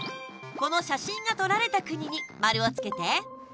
この写真が撮られた国に丸をつけて！